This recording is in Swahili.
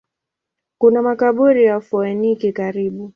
Kuna makaburi ya Wafoeniki karibu.